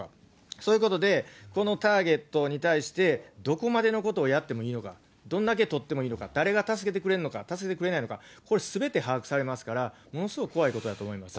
そういうことで、このターゲットに対してどこまでのことをやってもいいのか、どんだけ取ってもいいのか、誰が助けてくれるのか助けてくれないのか、これすべて把握されますから、ものすごい怖いことだと思いますよ。